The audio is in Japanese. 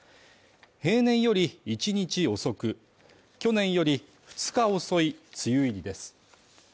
平年より１日遅く、去年より２日遅い梅雨入りです。